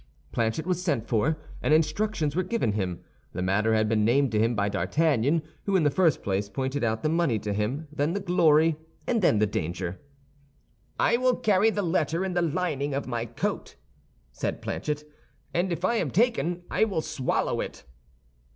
Planchet was sent for, and instructions were given him. The matter had been named to him by D'Artagnan, who in the first place pointed out the money to him, then the glory, and then the danger. "I will carry the letter in the lining of my coat," said Planchet; "and if I am taken I will swallow it."